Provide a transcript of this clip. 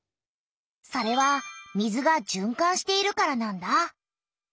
それは水がじゅんかんしているからなんだ。